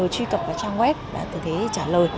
truy cập vào trang web và từ thế trả lời